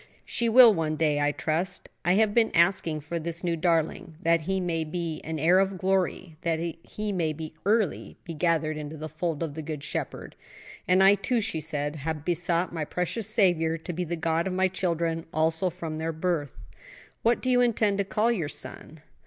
"She will, one day, I trust; I have been asking for this new darling that he may be an heir of glory: that he may early be gathered into the fold of the good Shepherd." "And I, too," she said, "have besought my precious Saviour to be the God of my children also from their birth." "What do you intend to call your son?"